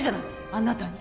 あなたに。